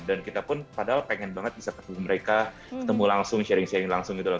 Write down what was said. dan kita pun padahal pengen banget bisa ketemu mereka ketemu langsung sharing sharing langsung gitu loh